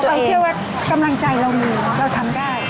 เราเชื่อว่ากำลังใจเรามีเราทำได้